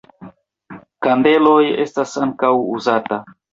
Kandeloj estas ankaŭ uzata.